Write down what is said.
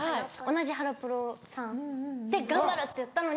同じハロプロさんで「頑張る」って言ったのに。